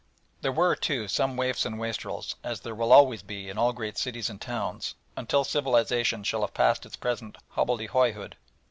There were, too, some waifs and wastrels, as there will always be in all great cities and towns until civilisation shall have passed its present hobbledehoy hood.